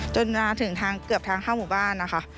จนถึงทางเกือบทางเข้าหมู่บ้านนะคะ